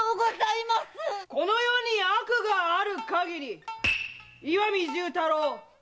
この世に悪があるかぎり岩見重太郎